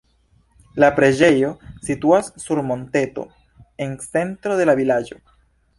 La preĝejo situas sur monteto en centro de la vilaĝo.